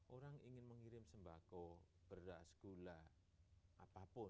orang ingin mengirim sembako beras gula apapun